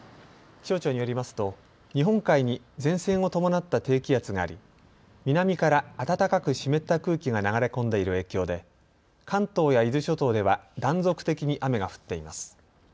気象庁によりますと日本海に前線を伴った低気圧があり、南から暖かく湿った空気が流れ込んでいる影響で関東や伊豆諸島では断続的に雨が降っています。